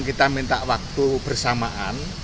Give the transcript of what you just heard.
dan kita juga minta waktu bersamaan